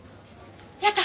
やった！